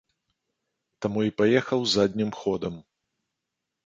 Таму і паехаў заднім ходам.